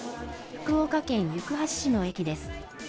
福岡県行橋市の駅です。